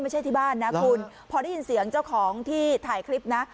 ที่บ้านนะคุณพอได้ยินเสียงเจ้าของที่ถ่ายคลิปนะ